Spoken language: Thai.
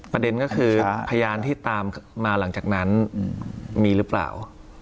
ประเด็นก็คือพยานที่ตามมาหลังจากนั้นมีหรือเปล่า